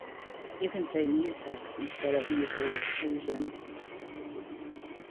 You can say mutex instead of mutual exclusion.